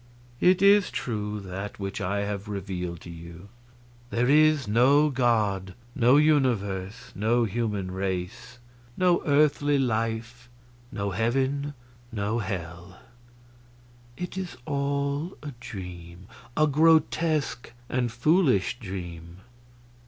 "It is true, that which I have revealed to you; there is no God, no universe, no human race, no earthly life, no heaven, no hell. It is all a dream a grotesque and foolish dream.